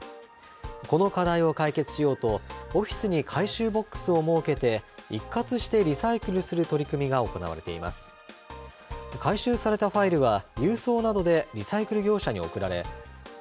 この課題を解決しようと、オフィスに回収ボックスを設けて一括してリサイクルする取り組みが行われています。